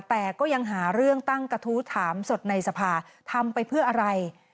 แต่ก็ยังหาเรื่องตั้งกระทู้ถามสดในสภาทำไปเพื่ออะไร